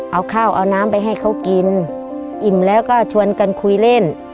เอาข้าวเอาน้ำไปให้เขากินอิ่มแล้วก็ชวนกันคุยเล่น